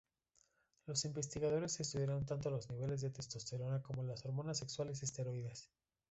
Los investigadores estudiaron tanto los niveles de testosterona como las hormonas sexuales esteroides.